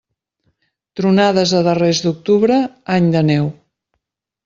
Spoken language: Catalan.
Tronades a darrers d'octubre, any de neu.